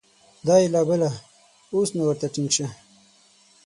دا یې لا بله ، اوس نو ورته ټینګ شه !